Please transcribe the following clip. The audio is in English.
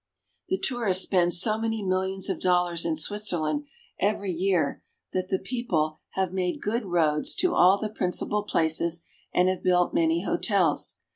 The tourists spend so many millions of dollars in Switzer land every year that the people have made good roads to all the principal places and have built many hotels.